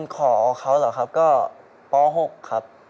ขอเขาเหรอครับก็ป๖ครับ